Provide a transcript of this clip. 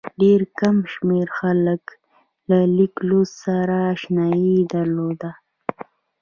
ډېر کم شمېر خلکو له لیک لوست سره اشنايي درلوده.